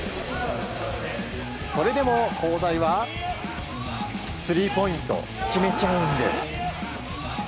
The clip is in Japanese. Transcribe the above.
それでも香西はスリーポイントを決めちゃうんです。